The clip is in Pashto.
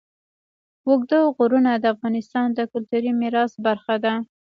اوږده غرونه د افغانستان د کلتوري میراث برخه ده.